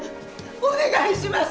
お願いします！